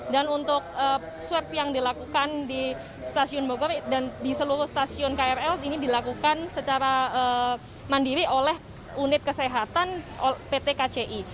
dan untuk swab yang dilakukan di stasiun bogor dan di seluruh stasiun krl ini dilakukan secara mandiri oleh unit kesehatan pt kci